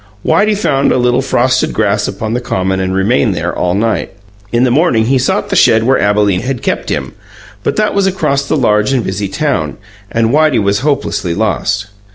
Whitey found a little frosted grass upon the common and remained there all night. In the morning he sought the shed where Abalene had kept him; but that was across the large and busy town, and Whitey was hopelessly lost.